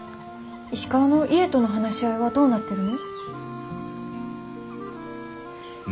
石川の家との話し合いはどうなってるの？